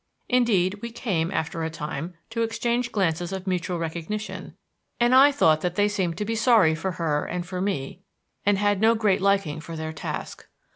Indeed, we came, after a time, to exchange glances of mutual recognition, and I thought that they seemed to be sorry for her and for me, and had no great liking for their task.